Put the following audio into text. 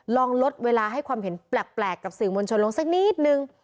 ลองลดเวลาให้ความเห็นแปลกกับสื่อมวลชนลงสักนิดนึง